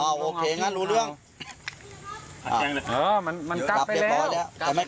เออมันกลับไปแล้ว